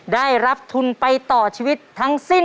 ได้รับทุนไปต่อชีวิตทั้งสิ้น